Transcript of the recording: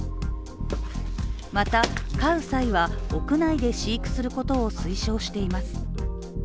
また、飼う際は屋内で飼育することを推奨しています。